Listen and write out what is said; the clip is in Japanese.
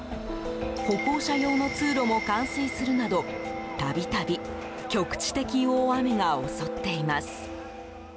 歩行者用の通路も冠水するなど度々局地的大雨が襲っています。